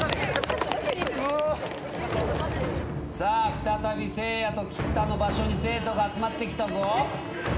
再びせいやと菊田の場所に生徒が集まってきたぞ。